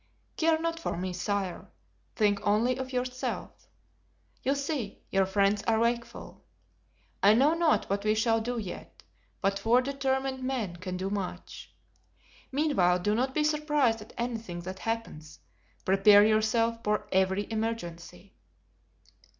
"Care not for me, sire; think only of yourself. You see, your friends are wakeful. I know not what we shall do yet, but four determined men can do much. Meanwhile, do not be surprised at anything that happens; prepare yourself for every emergency."